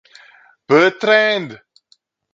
Bertrand!